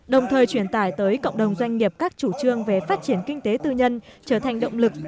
đồng thời truyền tải tới cộng đồng doanh nghiệp các chủ trương về phát triển kinh tế tư nhân trở thành động lực